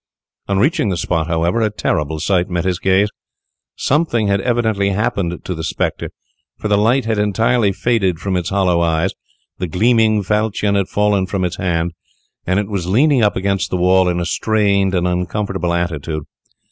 On reaching the spot, however, a terrible sight met his gaze. Something had evidently happened to the spectre, for the light had entirely faded from its hollow eyes, the gleaming falchion had fallen from its hand, and it was leaning up against the wall in a strained and uncomfortable attitude.